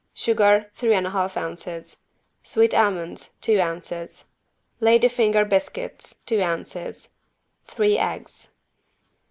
Sugar, three and a half ounces. Sweet almonds, two ounces. Lady finger biscuits, two ounces. Three eggs.